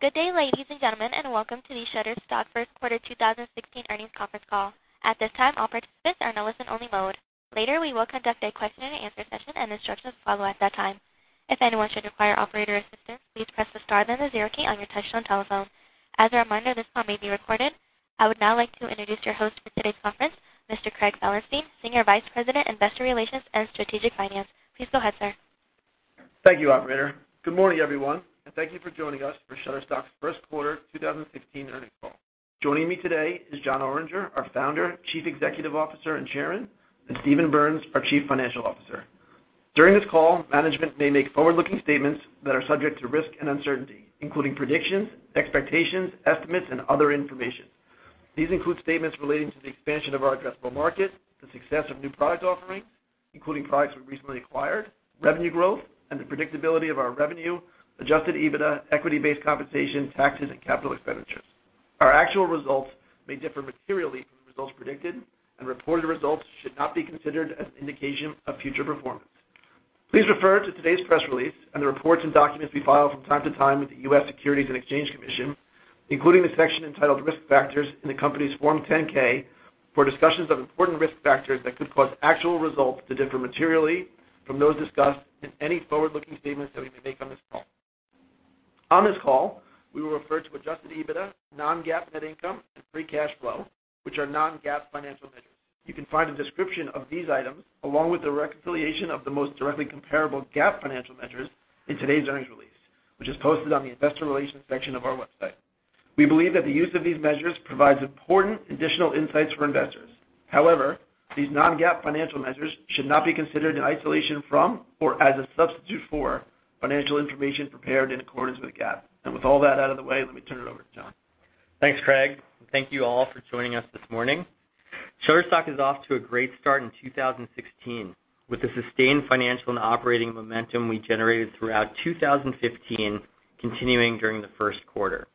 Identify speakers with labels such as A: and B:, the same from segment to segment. A: Good day, ladies and gentlemen, welcome to the Shutterstock First Quarter 2016 Earnings Conference Call. At this time, all participants are in listen only mode. Later, we will conduct a question and answer session. Instructions follow at that time. If anyone should require operator assistance, please press the star then the zero key on your touchtone telephone. As a reminder, this call may be recorded. I would now like to introduce your host for today's conference, Mr. Craig F. Ellenstein, Senior Vice President, Investor Relations and Strategic Finance. Please go ahead, sir.
B: Thank you, operator. Good morning, everyone. Thank you for joining us for Shutterstock's First Quarter 2016 Earnings Call. Joining me today is Jon Oringer, our Founder, Chief Executive Officer, and Chairman, Steven Berns, our Chief Financial Officer. During this call, management may make forward-looking statements that are subject to risk and uncertainty, including predictions, expectations, estimates, and other information. These include statements relating to the expansion of our addressable market, the success of new product offerings, including products we've recently acquired, revenue growth, and the predictability of our revenue, adjusted EBITDA, equity-based compensation, taxes, and capital expenditures. Our actual results may differ materially from the results predicted. Reported results should not be considered as an indication of future performance. Please refer to today's press release and the reports and documents we file from time to time with the U.S. Securities and Exchange Commission, including the section entitled Risk Factors in the company's Form 10-K for discussions of important risk factors that could cause actual results to differ materially from those discussed in any forward-looking statements that we may make on this call. On this call, we will refer to adjusted EBITDA, non-GAAP net income, and free cash flow, which are non-GAAP financial measures. You can find a description of these items along with a reconciliation of the most directly comparable GAAP financial measures in today's earnings release, which is posted on the investor relations section of our website. We believe that the use of these measures provides important additional insights for investors. However, these non-GAAP financial measures should not be considered in isolation from or as a substitute for financial information prepared in accordance with GAAP. With all that out of the way, let me turn it over to Jon.
C: Thanks, Craig, thank you all for joining us this morning. Shutterstock is off to a great start in 2016 with the sustained financial and operating momentum we generated throughout 2015 continuing during the first quarter.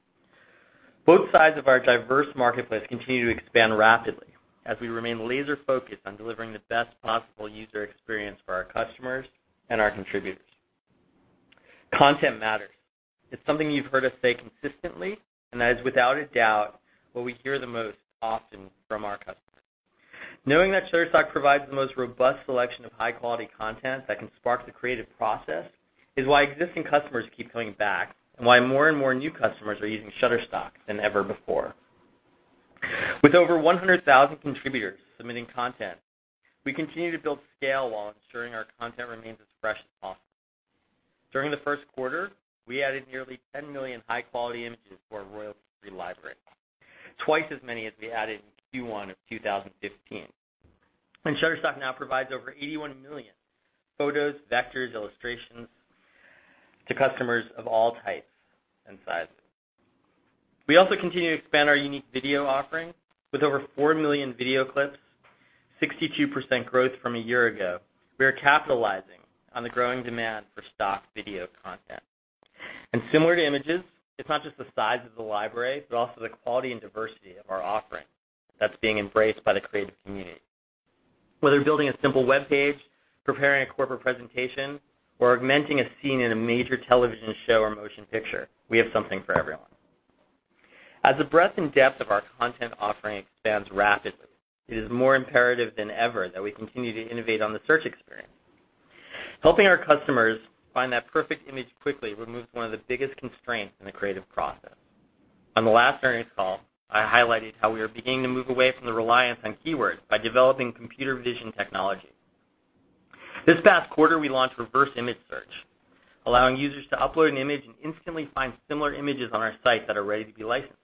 C: Both sides of our diverse marketplace continue to expand rapidly as we remain laser-focused on delivering the best possible user experience for our customers and our contributors. Content matters. That is without a doubt what we hear the most often from our customers. Knowing that Shutterstock provides the most robust selection of high-quality content that can spark the creative process is why existing customers keep coming back and why more and more new customers are using Shutterstock than ever before. With over 100,000 contributors submitting content, we continue to build scale while ensuring our content remains as fresh as possible. During the first quarter, we added nearly 10 million high-quality images to our royalty-free library, twice as many as we added in Q1 of 2015. Shutterstock now provides over 81 million photos, vectors, illustrations to customers of all types and sizes. We also continue to expand our unique video offering with over 4 million video clips, 62% growth from a year ago. We are capitalizing on the growing demand for stock video content. Similar to images, it's not just the size of the library, but also the quality and diversity of our offering that's being embraced by the creative community. Whether building a simple webpage, preparing a corporate presentation, or augmenting a scene in a major television show or motion picture, we have something for everyone. As the breadth and depth of our content offering expands rapidly, it is more imperative than ever that we continue to innovate on the search experience. Helping our customers find that perfect image quickly removes one of the biggest constraints in the creative process. On the last earnings call, I highlighted how we are beginning to move away from the reliance on keywords by developing computer vision technology. This past quarter, we launched reverse image search, allowing users to upload an image and instantly find similar images on our site that are ready to be licensed.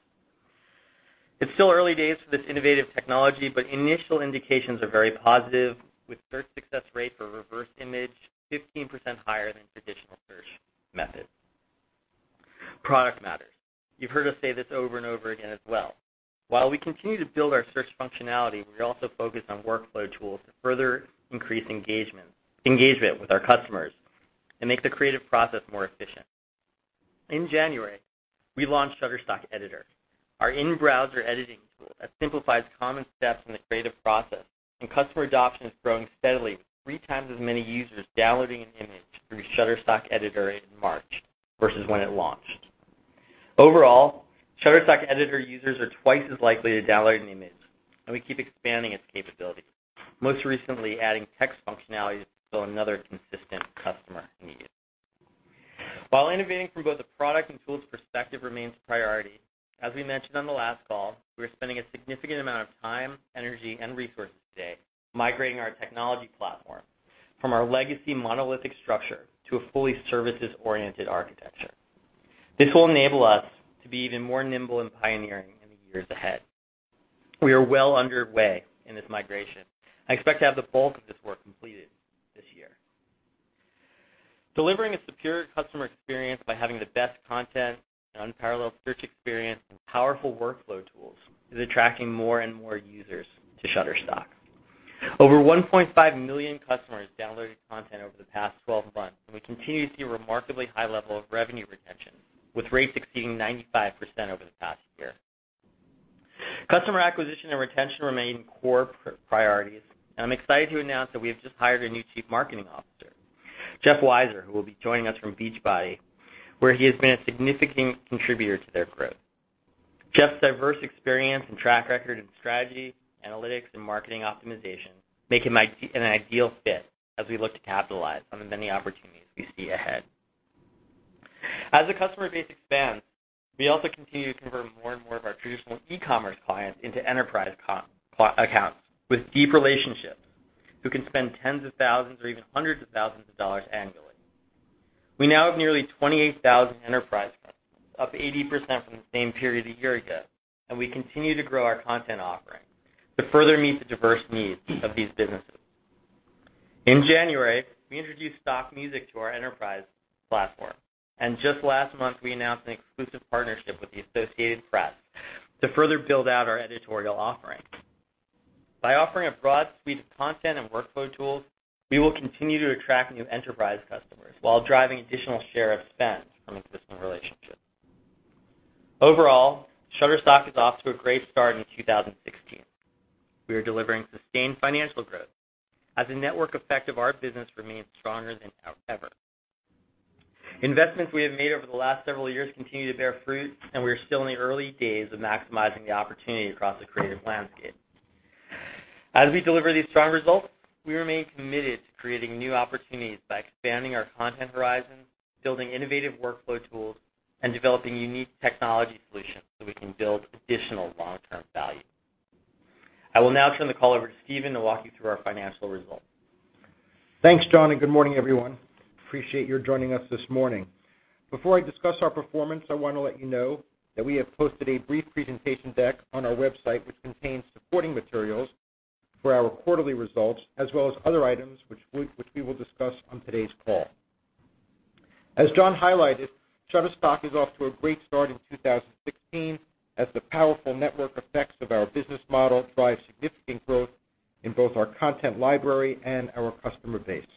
C: It's still early days for this innovative technology, but initial indications are very positive, with search success rate for reverse image 15% higher than traditional search methods. Product matters. You've heard us say this over and over again as well. While we continue to build our search functionality, we also focus on workflow tools to further increase engagement, with our customers and make the creative process more efficient. In January, we launched Shutterstock Editor, our in-browser editing tool that simplifies common steps in the creative process, customer adoption is growing steadily, with three times as many users downloading an image through Shutterstock Editor in March versus when it launched. Overall, Shutterstock Editor users are twice as likely to download an image, and we keep expanding its capabilities, most recently adding text functionality to fill another consistent customer need. While innovating from both a product and tools perspective remains a priority, as we mentioned on the last call, we are spending a significant amount of time, energy, and resources today migrating our technology platform from our legacy monolithic structure to a fully services-oriented architecture. This will enable us to be even more nimble and pioneering in the years ahead. We are well underway in this migration. I expect to have the bulk of this work completed this year. Delivering a superior customer experience by having the best content, an unparalleled search experience, and powerful workflow tools is attracting more and more users to Shutterstock. Over 1.5 million customers downloaded content over the past 12 months, and we continue to see a remarkably high level of revenue retention, with rates exceeding 95% over the past year. Customer acquisition and retention remain core priorities, and I'm excited to announce that we have just hired a new Chief Marketing Officer, Jeff Weiser, who will be joining us from Beachbody, where he has been a significant contributor to their growth. Jeff's diverse experience and track record in strategy, analytics, and marketing optimization make him an ideal fit as we look to capitalize on the many opportunities we see ahead. As the customer base expands, we also continue to convert more and more of our traditional e-commerce clients into enterprise accounts with deep relationships who can spend tens of thousands or even hundreds of thousands of dollars annually. We now have nearly 28,000 enterprise customers, up 80% from the same period a year ago. We continue to grow our content offering to further meet the diverse needs of these businesses. In January, we introduced stock music to our enterprise platform. Just last month, we announced an exclusive partnership with The Associated Press to further build out our editorial offerings. By offering a broad suite of content and workflow tools, we will continue to attract new enterprise customers while driving additional share of spend from existing relationships. Overall, Shutterstock is off to a great start in 2016. We are delivering sustained financial growth as the network effect of our business remains stronger than ever. Investments we have made over the last several years continue to bear fruit, and we are still in the early days of maximizing the opportunity across the creative landscape. As we deliver these strong results, we remain committed to creating new opportunities by expanding our content horizons, building innovative workflow tools, and developing unique technology solutions so we can build additional long-term value. I will now turn the call over to Steven to walk you through our financial results.
D: Thanks, Jon, good morning, everyone. Appreciate your joining us this morning. Before I discuss our performance, I want to let you know that we have posted a brief presentation deck on our website, which contains supporting materials for our quarterly results, as well as other items which we will discuss on today's call. As Jon highlighted, Shutterstock is off to a great start in 2016 as the powerful network effects of our business model drive significant growth in both our content library and our customer base.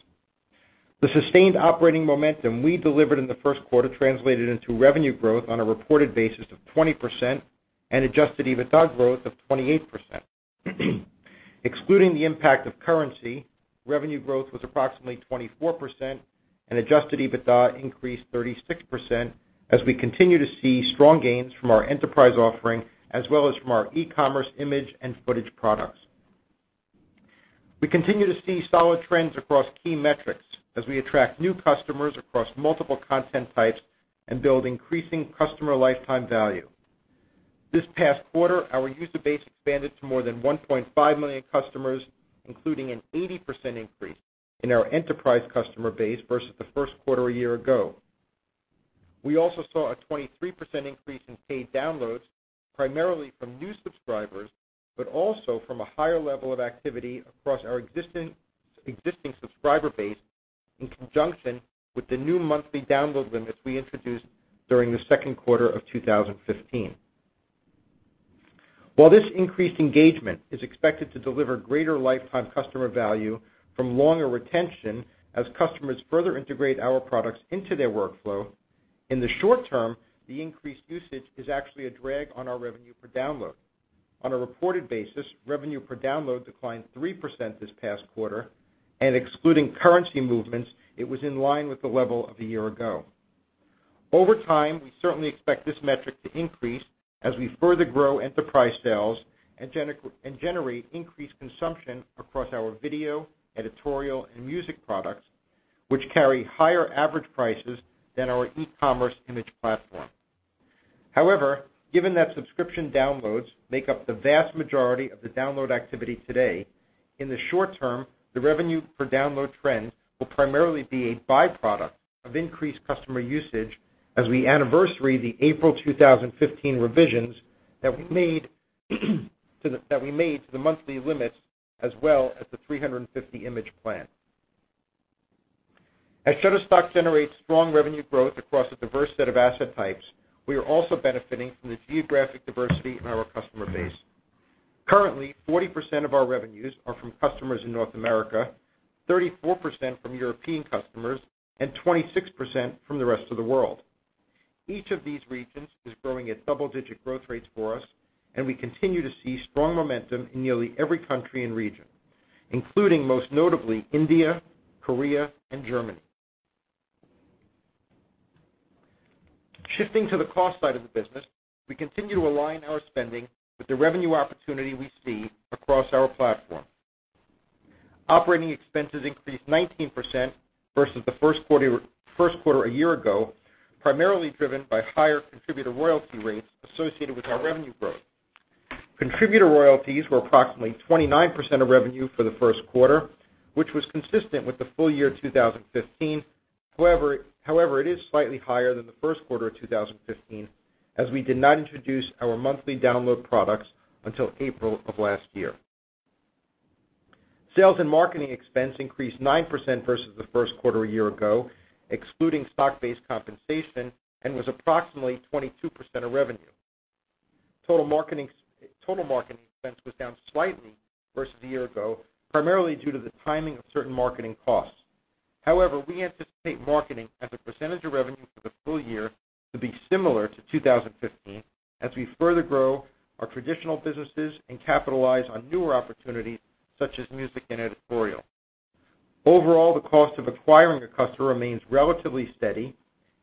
D: The sustained operating momentum we delivered in the first quarter translated into revenue growth on a reported basis of 20% and adjusted EBITDA growth of 28%. Excluding the impact of currency, revenue growth was approximately 24% and adjusted EBITDA increased 36% as we continue to see strong gains from our enterprise offering as well as from our e-commerce image and footage products. We continue to see solid trends across key metrics as we attract new customers across multiple content types and build increasing customer lifetime value. This past quarter, our user base expanded to more than 1.5 million customers, including an 80% increase in our enterprise customer base versus the first quarter a year ago. We also saw a 23% increase in paid downloads, primarily from new subscribers, but also from a higher level of activity across our existing subscriber base in conjunction with the new monthly download limits we introduced during the second quarter of 2015. While this increased engagement is expected to deliver greater lifetime customer value from longer retention as customers further integrate our products into their workflow, in the short term, the increased usage is actually a drag on our revenue per download. On a reported basis, revenue per download declined 3% this past quarter. Excluding currency movements, it was in line with the level of a year ago. Over time, we certainly expect this metric to increase as we further grow enterprise sales and generate increased consumption across our video, editorial, and music products, which carry higher average prices than our e-commerce image platform. Given that subscription downloads make up the vast majority of the download activity today, in the short term, the revenue per download trend will primarily be a byproduct of increased customer usage as we anniversary the April 2015 revisions that we made to the monthly limits as well as the 350 image plan. As Shutterstock generates strong revenue growth across a diverse set of asset types, we are also benefiting from the geographic diversity in our customer base. Currently, 40% of our revenues are from customers in North America, 34% from European customers, 26% from the rest of the world. Each of these regions is growing at double-digit growth rates for us. We continue to see strong momentum in nearly every country and region, including, most notably, India, Korea, and Germany. Shifting to the cost side of the business, we continue to align our spending with the revenue opportunity we see across our platform. Operating expenses increased 19% versus the first quarter a year ago, primarily driven by higher contributor royalty rates associated with our revenue growth. Contributor royalties were approximately 29% of revenue for the first quarter, which was consistent with the full year 2015. It is slightly higher than the first quarter of 2015, as we did not introduce our monthly download products until April of last year. Sales and marketing expense increased 9% versus the first quarter a year ago, excluding stock-based compensation, was approximately 22% of revenue. Total marketing expense was down slightly versus a year ago, primarily due to the timing of certain marketing costs. We anticipate marketing as a percentage of revenue for the full year to be similar to 2015 as we further grow our traditional businesses and capitalize on newer opportunities, such as music and editorial. Overall, the cost of acquiring a customer remains relatively steady,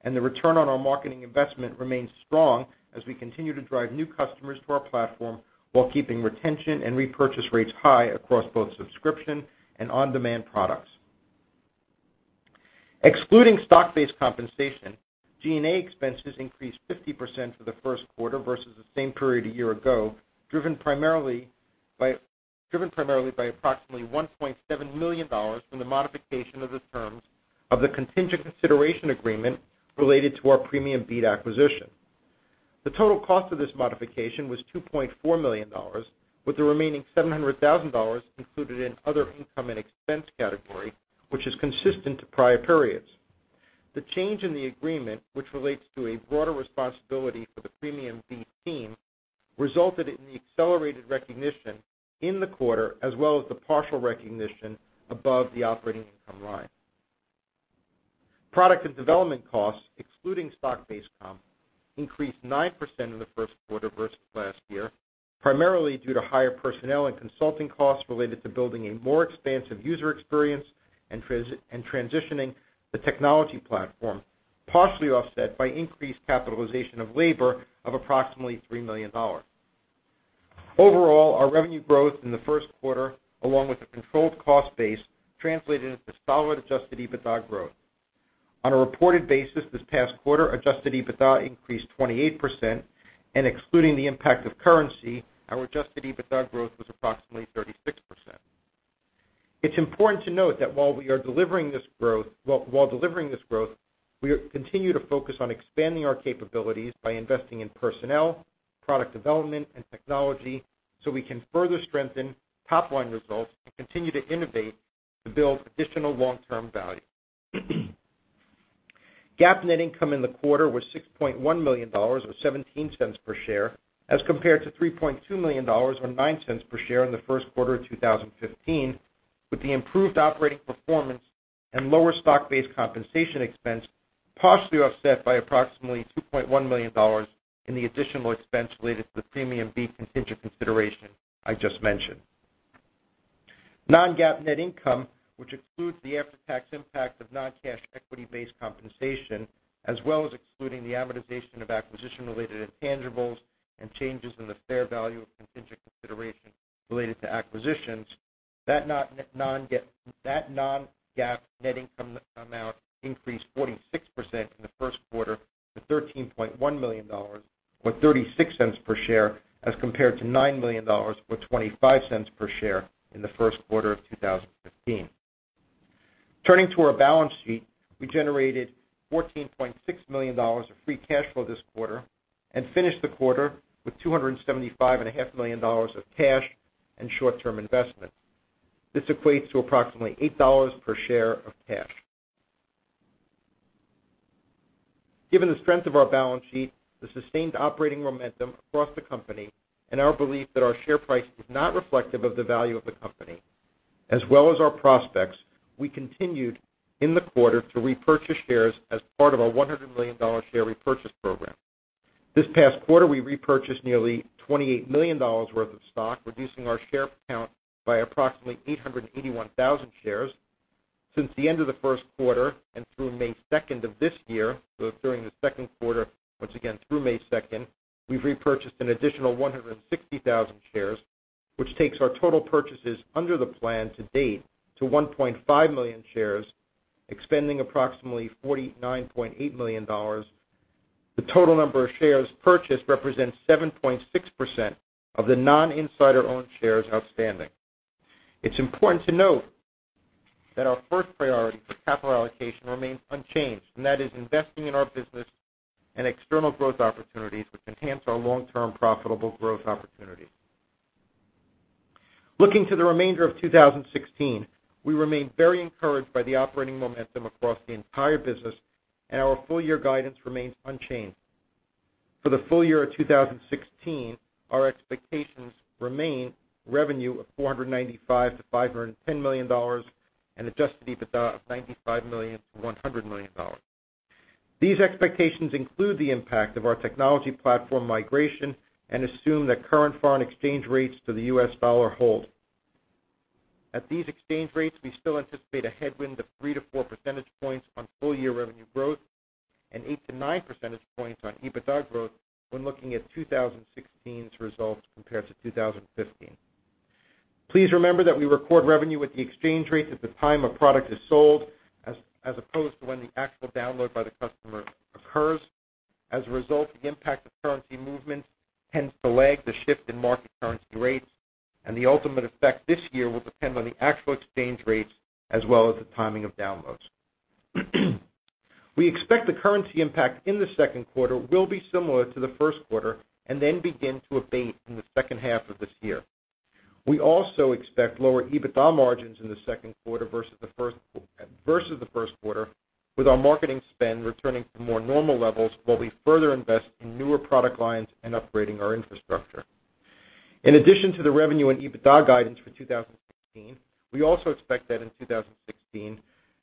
D: the return on our marketing investment remains strong as we continue to drive new customers to our platform while keeping retention and repurchase rates high across both subscription and on-demand products. Excluding stock-based compensation, G&A expenses increased 50% for the first quarter versus the same period a year ago, driven primarily by approximately $1.7 million from the modification of the terms of the contingent consideration agreement related to our PremiumBeat acquisition. The total cost of this modification was $2.4 million, with the remaining $700,000 included in other income and expense category, which is consistent to prior periods. The change in the agreement, which relates to a broader responsibility for the PremiumBeat team, resulted in the accelerated recognition in the quarter as well as the partial recognition above the operating income line. Product and development costs, excluding stock-based comp, increased 9% in the first quarter versus last year, primarily due to higher personnel and consulting costs related to building a more expansive user experience and transitioning the technology platform, partially offset by increased capitalization of labor of approximately $3 million. Overall, our revenue growth in the first quarter, along with a controlled cost base, translated into solid adjusted EBITDA growth. On a reported basis this past quarter, adjusted EBITDA increased 28%, and excluding the impact of currency, our adjusted EBITDA growth was approximately 36%. It's important to note that while delivering this growth, we continue to focus on expanding our capabilities by investing in personnel, product development, and technology so we can further strengthen top-line results and continue to innovate to build additional long-term value. GAAP net income in the quarter was $6.1 million, or $0.17 per share, as compared to $3.2 million, or $0.09 per share in the first quarter of 2015, with the improved operating performance and lower stock-based compensation expense partially offset by approximately $2.1 million in the additional expense related to the PremiumBeat contingent consideration I just mentioned. Non-GAAP net income, which excludes the after-tax impact of non-cash equity-based compensation, as well as excluding the amortization of acquisition-related intangibles and changes in the fair value of contingent consideration related to acquisitions, that non-GAAP net income amount increased 46% in the first quarter to $13.1 million, or $0.36 per share, as compared to $9 million, or $0.25 per share in the first quarter of 2015. Turning to our balance sheet, we generated $14.6 million of free cash flow this quarter and finished the quarter with $275.5 million of cash and short-term investments. This equates to approximately $8 per share of cash. Given the strength of our balance sheet, the sustained operating momentum across the company, our belief that our share price is not reflective of the value of the company, as well as our prospects, we continued in the quarter to repurchase shares as part of our $100 million share repurchase program. This past quarter, we repurchased nearly $28 million worth of stock, reducing our share count by approximately 881,000 shares. Since the end of the first quarter and through May 2nd of this year, so during the second quarter, once again, through May 2nd, we've repurchased an additional 160,000 shares, which takes our total purchases under the plan to date to 1.5 million shares, expending approximately $49.8 million. The total number of shares purchased represents 7.6% of the non-insider-owned shares outstanding. It's important to note that our first priority for capital allocation remains unchanged, and that is investing in our business and external growth opportunities which enhance our long-term profitable growth opportunities. Looking to the remainder of 2016, we remain very encouraged by the operating momentum across the entire business, and our full-year guidance remains unchanged. For the full year of 2016, our expectations remain revenue of $495 million-$510 million and adjusted EBITDA of $95 million-$100 million. These expectations include the impact of our technology platform migration and assume that current foreign exchange rates to the U.S. dollar hold. At these exchange rates, we still anticipate a headwind of 3-4 percentage points on full-year revenue growth and 8-9 percentage points on EBITDA growth when looking at 2016's results compared to 2015. Please remember that we record revenue at the exchange rates at the time a product is sold as opposed to when the actual download by the customer occurs. As a result, the impact of currency movements tends to lag the shift in market currency rates, and the ultimate effect this year will depend on the actual exchange rates as well as the timing of downloads. We expect the currency impact in the second quarter will be similar to the first quarter and then begin to abate in the second half of this year. We also expect lower EBITDA margins in the second quarter versus the first quarter, with our marketing spend returning to more normal levels while we further invest in newer product lines and upgrading our infrastructure. In addition to the revenue and EBITDA guidance for 2016, we also expect that in 2016,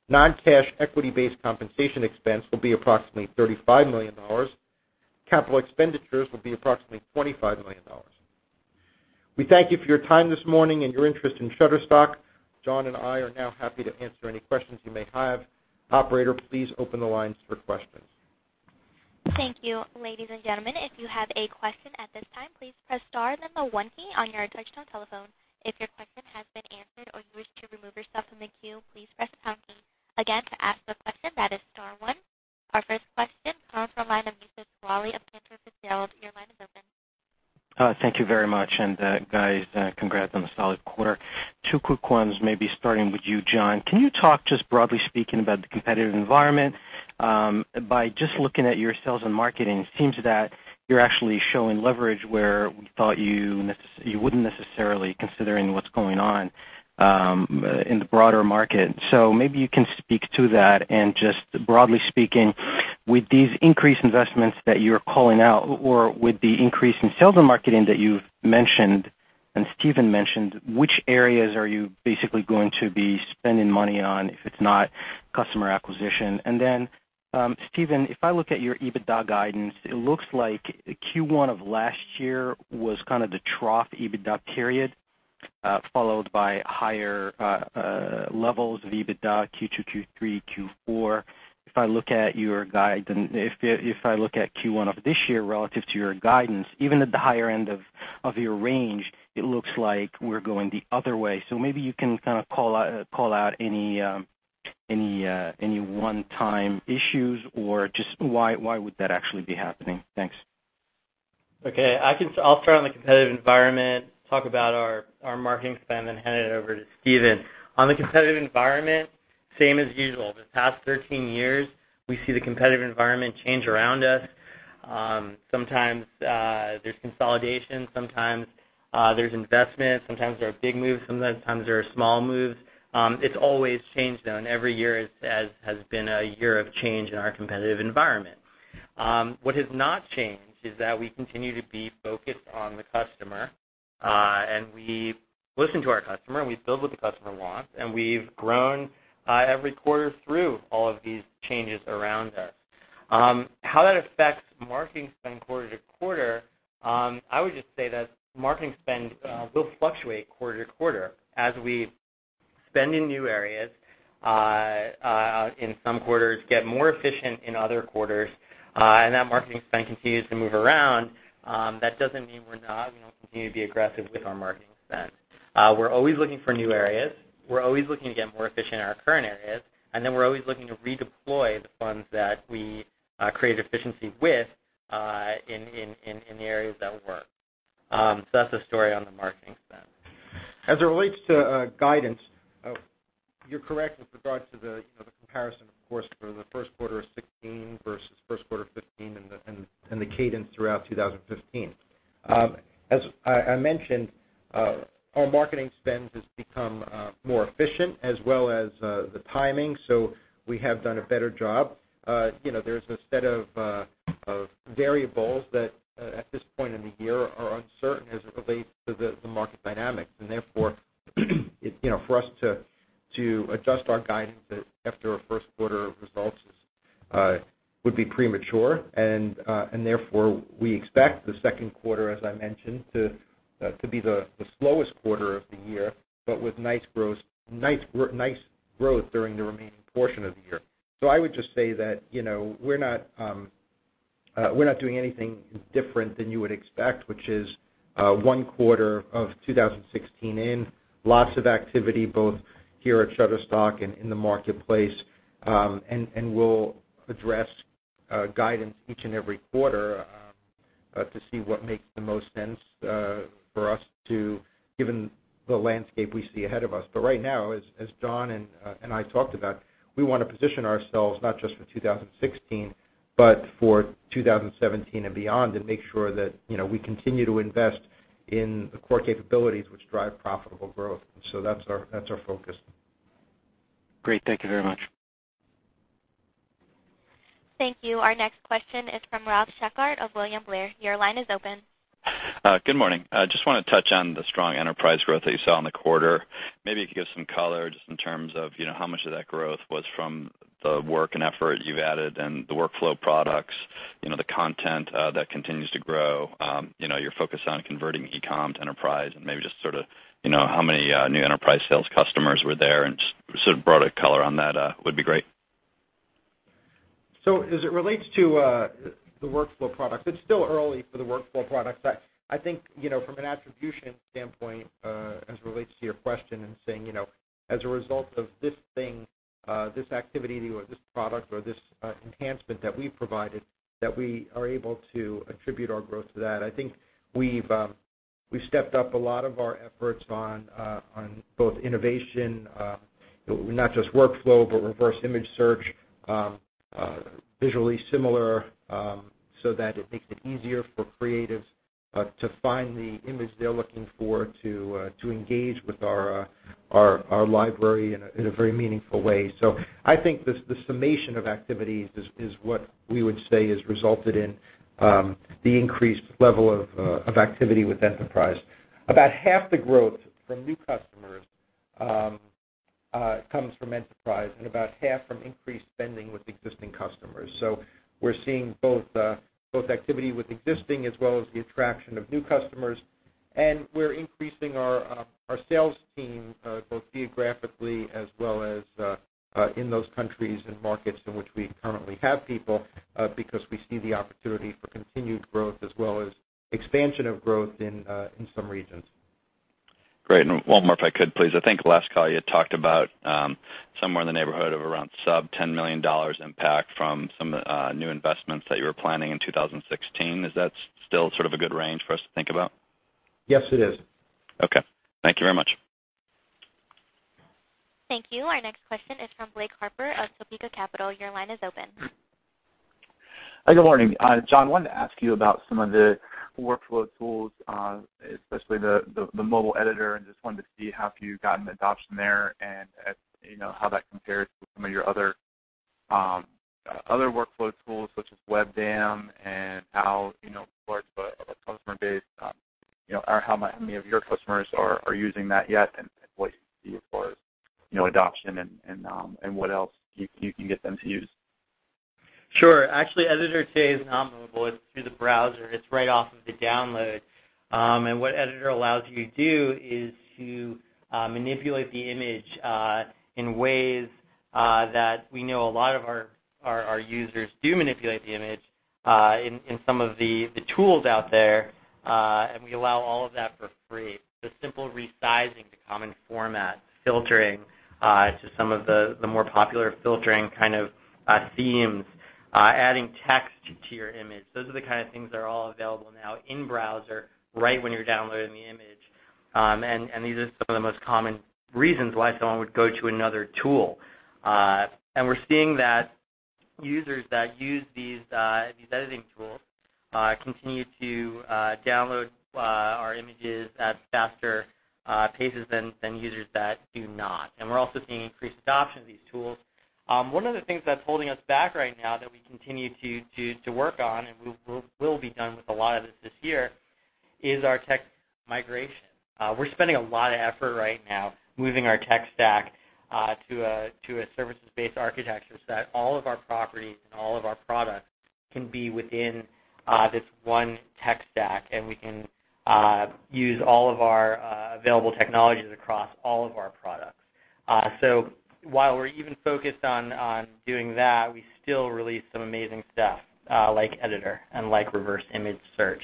D: non-cash equity-based compensation expense will be approximately $35 million. Capital expenditures will be approximately $25 million. We thank you for your time this morning and your interest in Shutterstock. Jon and I are now happy to answer any questions you may have. Operator, please open the lines for questions.
A: Thank you. Ladies and gentlemen, if you have a question at this time, please press star then the one key on your touchtone telephone. If your question has been answered or you wish to remove yourself from the queue, please press the pound key. Again, to ask a question that is star one. Our first question comes from the line of Youssef Squali of Cantor Fitzgerald. Your line is open.
E: Thank you very much, and guys, congrats on the solid quarter. Two quick ones, maybe starting with you, Jon. Can you talk just broadly speaking about the competitive environment? By just looking at your sales and marketing, it seems that you're actually showing leverage where we thought you wouldn't necessarily, considering what's going on in the broader market. Maybe you can speak to that and just broadly speaking, with these increased investments that you're calling out or with the increase in sales and marketing that you've mentioned and Steven mentioned, which areas are you basically going to be spending money on if it's not customer acquisition? Steven, if I look at your EBITDA guidance, it looks like Q1 of last year was kind of the trough EBITDA period, followed by higher levels of EBITDA Q2, Q3, Q4. If I look at Q1 of this year relative to your guidance, even at the higher end of your range, it looks like we're going the other way. Maybe you can kind of call out any one-time issues or just why would that actually be happening. Thanks.
C: Okay. I'll start on the competitive environment, talk about our marketing spend, and hand it over to Steven. On the competitive environment, same as usual. The past 13 years, we see the competitive environment change around us. Sometimes, there's consolidation, sometimes there's investment, sometimes there are big moves, sometimes there are small moves. It's always changed, and every year has been a year of change in our competitive environment. What has not changed is that we continue to be focused on the customer, and we listen to our customer, and we build what the customer wants, and we've grown, every quarter through all of these changes around us. How that affects marketing spend quarter to quarter, I would just say that marketing spend will fluctuate quarter to quarter as we spend in new areas in some quarters, get more efficient in other quarters, and that marketing spend continues to move around. That doesn't mean we're not going to continue to be aggressive with our marketing spend. We're always looking for new areas, we're always looking to get more efficient in our current areas, and then we're always looking to redeploy the funds that we create efficiency with, in the areas that work. That's the story on the marketing spend.
D: As it relates to guidance, you're correct with regard to the comparison, of course, for the first quarter of 2016 versus first quarter 2015 and the cadence throughout 2015. As I mentioned, our marketing spend has become more efficient as well as the timing, so we have done a better job. There's a set of variables that at this point in the year are uncertain as it relates to the market dynamics. Therefore, for us to adjust our guidance after our first quarter of results would be premature. Therefore, we expect the second quarter, as I mentioned, to be the slowest quarter of the year, but with nice growth during the remaining portion of the year. I would just say that we're not doing anything different than you would expect, which is one quarter of 2016 in. Lots of activity both here at Shutterstock and in the marketplace. We'll address guidance each and every quarter to see what makes the most sense for us, given the landscape we see ahead of us. Right now, as Jon and I talked about, we want to position ourselves not just for 2016 but for 2017 and beyond, and make sure that we continue to invest in the core capabilities which drive profitable growth. That's our focus.
E: Great. Thank you very much.
A: Thank you. Our next question is from Rob Sanderson of William Blair. Your line is open.
F: Good morning. I just want to touch on the strong enterprise growth that you saw in the quarter. Maybe you could give some color just in terms of how much of that growth was from the work and effort you've added and the workflow products, the content that continues to grow, your focus on converting e-com to enterprise, and maybe just sort of how many new enterprise sales customers were there and just sort of broader color on that would be great.
D: As it relates to the workflow products, it's still early for the workflow products. I think from an attribution standpoint, as it relates to your question and saying as a result of this thing, this activity or this product or this enhancement that we provided, that we are able to attribute our growth to that. I think we've stepped up a lot of our efforts on both innovation, not just workflow, but reverse image search, visually similar, so that it makes it easier for creatives to find the image they're looking for to engage with our library in a very meaningful way. I think the summation of activities is what we would say has resulted in the increased level of activity with enterprise. About half the growth from new customers comes from enterprise and about half from increased spending with existing customers. We're seeing both activity with existing as well as the attraction of new customers, and we're increasing our sales team, both geographically as well as in those countries and markets in which we currently have people, because we see the opportunity for continued growth as well as expansion of growth in some regions.
F: Great. One more, if I could please. I think last call, you had talked about somewhere in the neighborhood of around sub-$10 million impact from some of the new investments that you were planning in 2016. Is that still sort of a good range for us to think about?
D: Yes, it is.
F: Okay. Thank you very much.
A: Thank you. Our next question is from Blake Harper of Topeka Capital. Your line is open.
G: Good morning. Jon, I wanted to ask you about some of the workflow tools, especially the mobile editor, and just wanted to see how you've gotten adoption there and how that compares to some of your other workflow tools such as WebDAM and how large of a customer base, or how many of your customers are using that yet, and what you see for adoption and what else you can get them to use?
C: Sure. Actually, Shutterstock Editor today is not mobile. It's through the browser. It's right off of the download. What Shutterstock Editor allows you to do is to manipulate the image in ways that we know a lot of our users do manipulate the image in some of the tools out there, and we allow all of that for free. The simple resizing to common format, filtering to some of the more popular filtering kind of themes, adding text to your image. Those are the kind of things that are all available now in-browser, right when you're downloading the image. These are some of the most common reasons why someone would go to another tool. We're seeing that users that use these editing tools continue to download our images at faster paces than users that do not. We're also seeing increased adoption of these tools. One of the things that's holding us back right now that we continue to work on, and we'll be done with a lot of this this year, is our tech migration. We're spending a lot of effort right now moving our tech stack to a services-oriented architecture so that all of our properties and all of our products can be within this one tech stack, and we can use all of our available technologies across all of our products. While we're even focused on doing that, we still release some amazing stuff, like Shutterstock Editor and like reverse image search.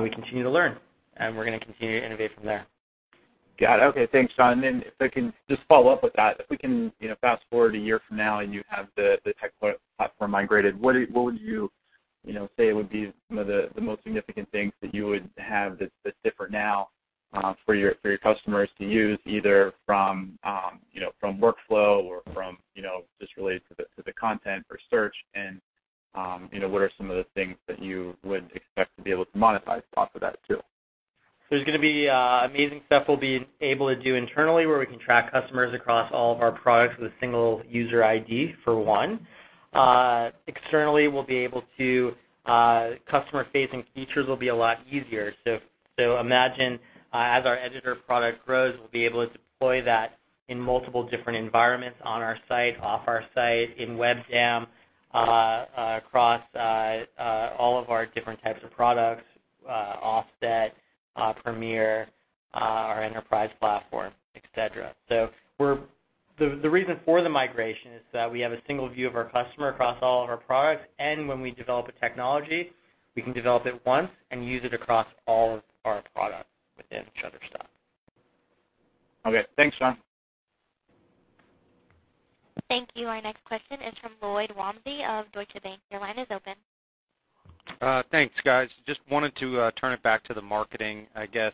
C: We continue to learn, we're going to continue to innovate from there.
G: Got it. Okay. Thanks, Jon. Then if I can just follow up with that, if we can fast-forward a year from now and you have the tech platform migrated, what would you say would be some of the most significant things that you would have that's different now for your customers to use, either from workflow or from just related to the content for search? What are some of the things that you would expect to be able to monetize off of that too?
C: There's going to be amazing stuff we'll be able to do internally where we can track customers across all of our products with a single user ID, for one. Externally, customer-facing features will be a lot easier. Imagine as our Shutterstock Editor product grows, we'll be able to deploy that in multiple different environments on our site, off our site, in WebDAM, across all of our different types of products, Offset, Premier, our enterprise platform, et cetera. The reason for the migration is that we have a single view of our customer across all of our products. When we develop a technology, we can develop it once and use it across all of our products within Shutterstock.
G: Okay. Thanks, Jon.
A: Thank you. Our next question is from Lloyd Walmsley of Deutsche Bank. Your line is open.
H: Thanks, guys. Just wanted to turn it back to the marketing, I guess.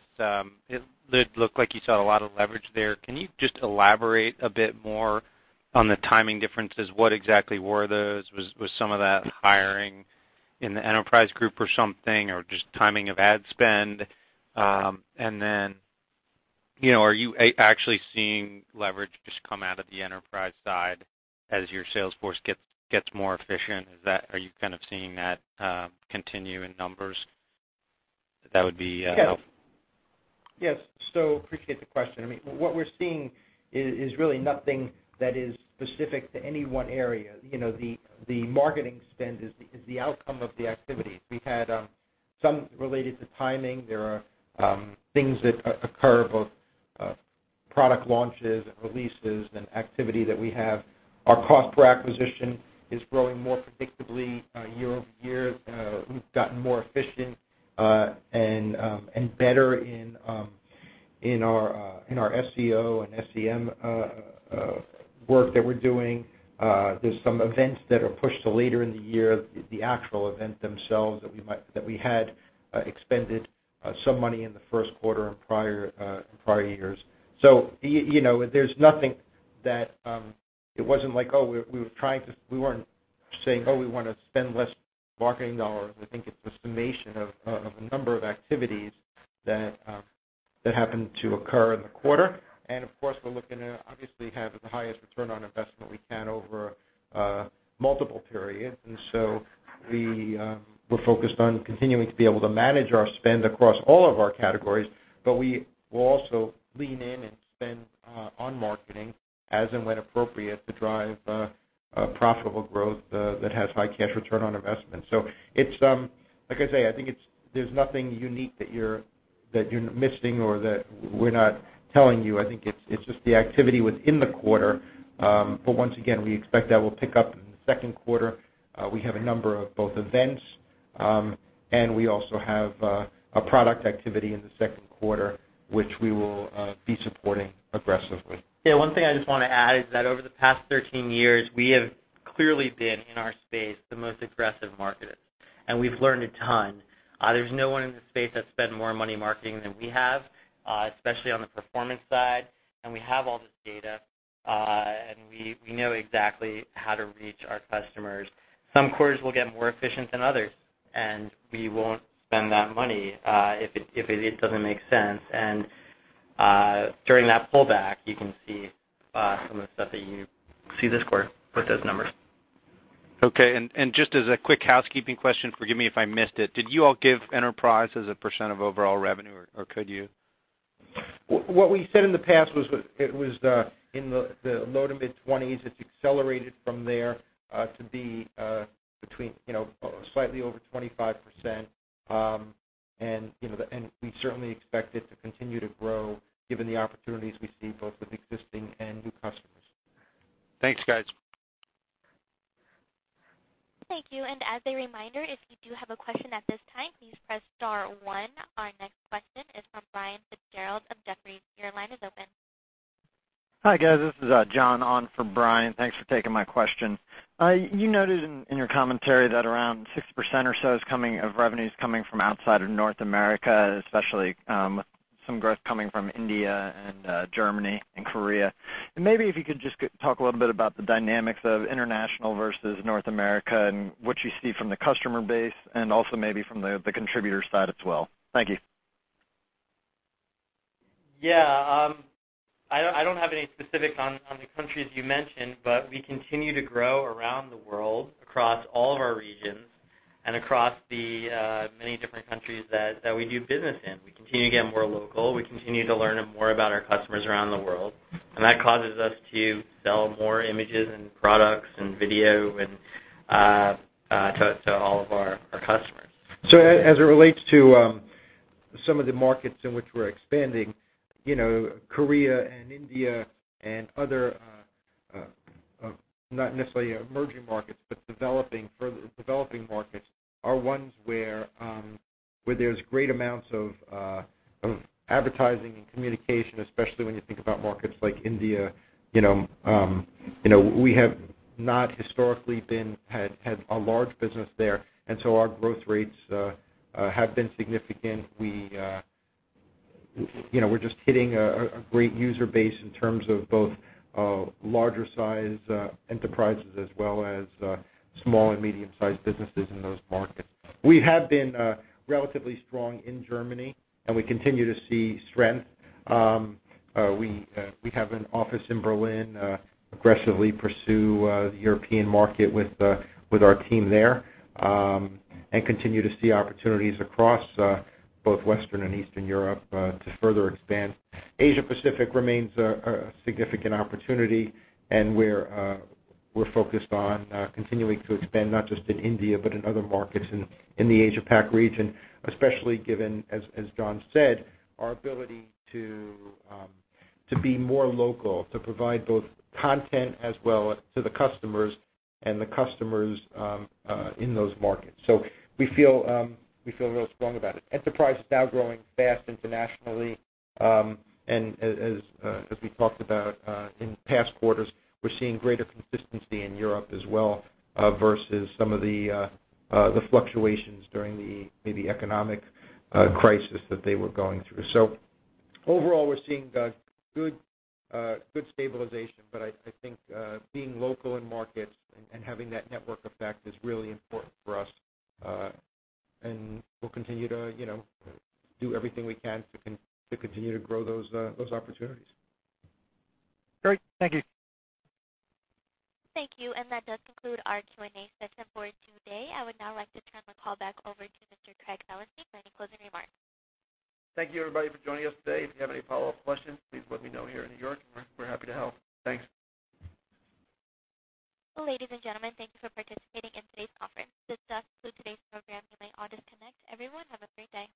H: It looked like you saw a lot of leverage there. Can you just elaborate a bit more on the timing differences? What exactly were those? Was some of that hiring in the enterprise group or something, or just timing of ad spend? Are you actually seeing leverage just come out of the enterprise side as your sales force gets more efficient? Are you kind of seeing that continue in numbers? That would be helpful.
D: Yes. Appreciate the question. I mean, what we're seeing is really nothing that is specific to any one area. The marketing spend is the outcome of the activities. We had some related to timing. There are things that occur, both product launches and releases and activity that we have. Our cost per acquisition is growing more predictably year-over-year. We've gotten more efficient and better in our SEO and SEM work that we're doing. There's some events that are pushed to later in the year, the actual event themselves that we had expended some money in the first quarter in prior years. There's nothing that, it wasn't like, oh, we weren't saying, oh, we want to spend less marketing dollars. I think it's a summation of a number of activities that happened to occur in the quarter. Of course, we're looking to obviously have the highest return on investment we can over multiple periods. We're focused on continuing to be able to manage our spend across all of our categories. We will also lean in and spend on marketing as and when appropriate to drive a profitable growth that has high cash return on investment. Like I say, I think there's nothing unique that you're missing or that we're not telling you. I think it's just the activity within the quarter. Once again, we expect that will pick up in the second quarter. We have a number of both events, and we also have a product activity in the second quarter, which we will be supporting aggressively.
C: One thing I just want to add is that over the past 13 years, we have clearly been, in our space, the most aggressive marketers, and we've learned a ton. There's no one in the space that's spent more money marketing than we have, especially on the performance side. We have all this data, and we know exactly how to reach our customers. Some quarters will get more efficient than others, and we won't spend that money, if it doesn't make sense. During that pullback, you can see some of the stuff that you see this quarter with those numbers.
H: Just as a quick housekeeping question, forgive me if I missed it, did you all give enterprise as a % of overall revenue, or could you?
D: What we said in the past was it was in the low- to mid-20s. It's accelerated from there, to be between slightly over 25%, we certainly expect it to continue to grow given the opportunities we see both with existing and new customers.
H: Thanks, guys.
A: Thank you. As a reminder, if you do have a question at this time, please press star one. Our next question is from Brian Fitzgerald of Jefferies. Your line is open.
I: Hi, guys. This is John on for Brian. Thanks for taking my question. You noted in your commentary that around 60% or so of revenue is coming from outside of North America, especially with some growth coming from India and Germany and Korea. Maybe if you could just talk a little bit about the dynamics of international versus North America and what you see from the customer base and also maybe from the contributor side as well. Thank you.
C: Yeah. I don't have any specifics on the countries you mentioned, but we continue to grow around the world, across all of our regions and across the many different countries that we do business in. We continue to get more local. We continue to learn more about our customers around the world, and that causes us to sell more images and products and video to all of our customers.
D: As it relates to some of the markets in which we're expanding, Korea and India and other, not necessarily emerging markets, but developing markets are ones where there's great amounts of advertising and communication, especially when you think about markets like India. We have not historically had a large business there, and so our growth rates have been significant. We're just hitting a great user base in terms of both larger size enterprises as well as small and medium-sized businesses in those markets. We have been relatively strong in Germany, and we continue to see strength. We have an office in Berlin, aggressively pursue the European market with our team there, and continue to see opportunities across both Western and Eastern Europe to further expand. Asia Pacific remains a significant opportunity, and we're focused on continuing to expand, not just in India, but in other markets in the Asia Pac region, especially given, as Jon said, our ability to be more local, to provide both content as well to the customers and the customers in those markets. We feel real strong about it. Enterprise is now growing fast internationally, and as we talked about in past quarters, we're seeing greater consistency in Europe as well, versus some of the fluctuations during the maybe economic crisis that they were going through. Overall, we're seeing good stabilization. I think being local in markets and having that network effect is really important for us. We'll continue to do everything we can to continue to grow those opportunities.
I: Great. Thank you.
A: Thank you. That does conclude our Q&A session for today. I would now like to turn the call back over to Mr. Craig Ellenstein for any closing remarks.
B: Thank you, everybody, for joining us today. If you have any follow-up questions, please let me know here in New York, and we're happy to help. Thanks.
A: Ladies and gentlemen, thank you for participating in today's conference. This does conclude today's program. You may all disconnect. Everyone, have a great day.